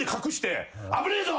「危ねえぞ！